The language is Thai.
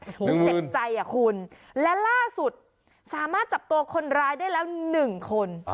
เจ็บใจอ่ะคุณและล่าสุดสามารถจับโตคนร้ายได้แล้วหนึ่งคน